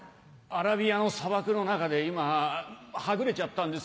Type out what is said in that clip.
アラビアの砂漠の中で今はぐれちゃったんですよ。